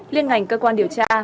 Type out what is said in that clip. liên ngành cơ quan điều tra